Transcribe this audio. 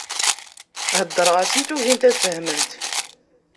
Heddreɣ-asent, ugint ad fehment.